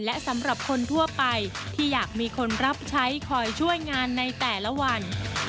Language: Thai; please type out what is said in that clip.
และสำหรับคนทั่วไปที่อยากมีคนรับใช้คอยช่วยงานในแต่ละวัน